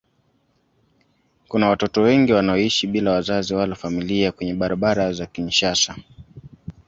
Kuna watoto wengi wanaoishi bila wazazi wala familia kwenye barabara za Kinshasa.